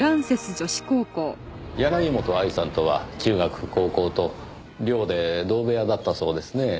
柳本愛さんとは中学高校と寮で同部屋だったそうですねぇ。